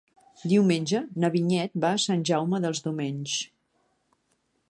Diumenge na Vinyet va a Sant Jaume dels Domenys.